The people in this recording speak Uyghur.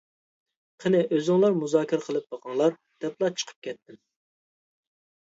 قېنى ئۆزۈڭلار مۇزاكىرە قىلىپ بېقىڭلار، -دەپلا چىقىپ كەتتىم.